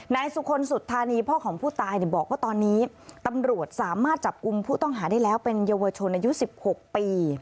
นายสุคลสุธานีพ่อของผู้ตายบอกว่าตอนนี้ตำรวจสามารถจับกลุ่มผู้ต้องหาได้แล้วเป็นเยาวชนอายุ๑๖ปี